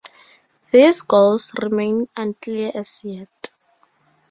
These goals remain unclear as yet.